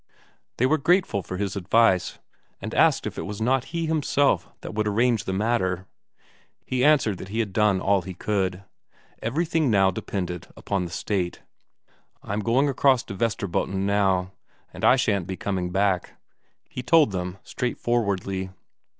They were grateful for his advice, and asked if it was not he himself that would arrange the matter. He answered that he had done all he could; everything now depended on the State. "I'm going across to Vesterbotten now, and I shan't be coming back," he told them straightforwardly.